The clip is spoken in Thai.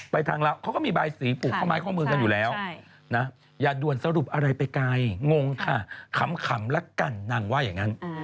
ไปทางลาวเขาก็มีบายสีปลูกข้อมายข้อมือกันอยู่แล้วอย่าด่วนสรุปอะไรไปไกลงงค่ะขำแล้วกันนั่งว่าอย่างงั้น